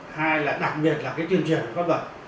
hai là đặc biệt là tuyên truyền các vật